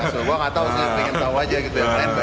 sebutnya segitu apa enggak